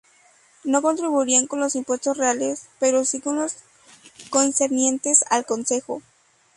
No contribuirían con los impuestos reales pero sí con los concernientes al concejo.